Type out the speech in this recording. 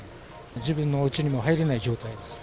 自分のおうちに今、入れない状態です。